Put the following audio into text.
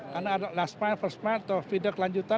karena ada last mile first mile atau feeder kelanjutan